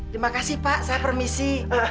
terima kasih pak saya permisi